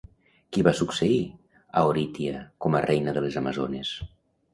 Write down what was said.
Qui va succeir a Oritia com a reina de les amazones?